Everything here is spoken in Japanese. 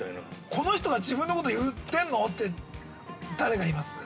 ◆この人が自分のこと言ってんのって、誰がいます？